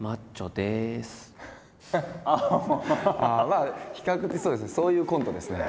まあ比較的そうですねそういうコントですね。